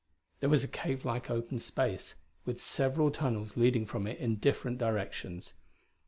There was a cave like open space, with several tunnels leading from it in different directions.